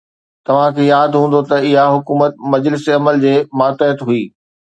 توهان کي ياد هوندو ته اها حڪومت مجلس عمل جي ماتحت هئي.